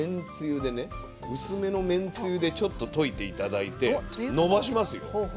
薄めのめんつゆでちょっと溶いて頂いてのばしますよ。